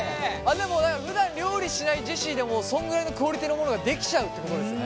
でもだからふだん料理しないジェシーでもそんぐらいのクオリティーのものができちゃうってことですね。